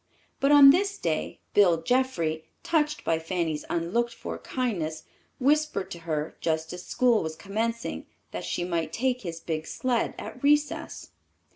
But on this day, Bill Jeffrey, touched by Fanny's unlooked for kindness, whispered to her, just as school was commencing, that she might take his big sled at recess.